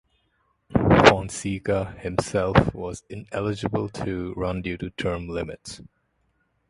Fonseca himself was ineligible to run due to term limits.